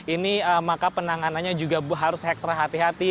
ini maka penanganannya juga harus hektra hati hati